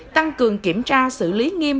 tăng cường kiểm tra xử lý nghiêm